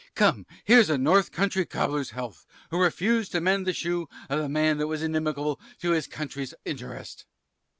Come, here's the North country cobbler's health, who refused to mend the shoe of the man that was inimical to his country's interest.